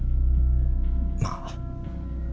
まあ。